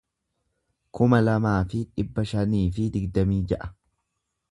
kuma lamaa fi dhibba shanii fi digdamii ja'a